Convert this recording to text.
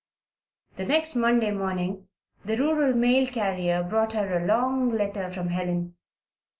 The next Monday morning the rural mail carrier brought her a long letter from Helen.